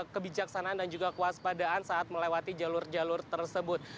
kebijaksanaan dan juga kewaspadaan saat melewati jalur jalur tersebut